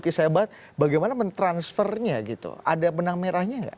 kisah hebat bagaimana mentransfernya gitu ada benang merahnya nggak